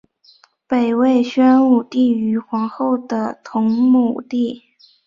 北魏宣武帝于皇后的同母弟。